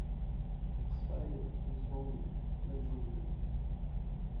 Speidel was born in Metzingen.